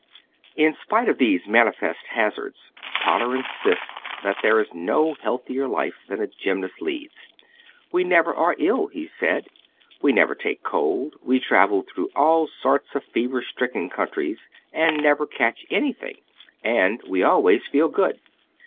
In spite of these manifest hazards, Potter insists that there is no healthier life than a gymnast leads. "We never are ill," he said, "we never take cold, we travel through all sorts of fever stricken countries and never catch anything, and we always feel good.